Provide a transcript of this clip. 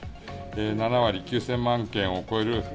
７割、９０００万件を超える。